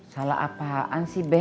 salah apaan sih be